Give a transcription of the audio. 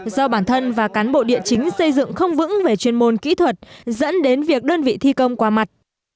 do bản thân và cán bộ địa chính xây dựng không vững về chuyên môn kỹ thuật dẫn đến việc đơn vị thi công qua mặt